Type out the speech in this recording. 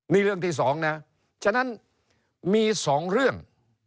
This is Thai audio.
นี่เรื่องที่๒นะฉะนั้นมี๒เรื่อง